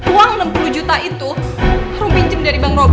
uang enam puluh juta itu harum pinjam dari bang robi